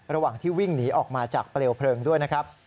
ระหว่างที่วิ่งหนีออกมาจากเปลวเพลิงด้วยนะครับ